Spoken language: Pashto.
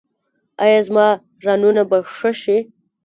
ایا زما رانونه به ښه شي؟